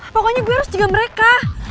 pokoknya gue harus jaga mereka